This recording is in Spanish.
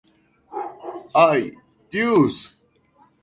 Ay, Deus!